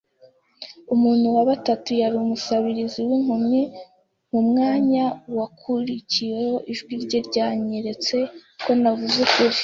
umuntu wabatatu yari umusabirizi wimpumyi. Mu mwanya wakurikiyeho ijwi rye ryanyeretse ko navuze ukuri.